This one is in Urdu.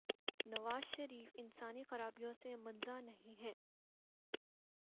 نوازشریف انسانی خرابیوں سے منزہ نہیں ہیں۔